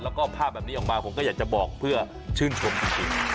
แล้วก็ภาพแบบนี้ออกมาผมก็อยากจะบอกเพื่อชื่นชมจริง